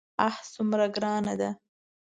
آه څومره ګرانه ده.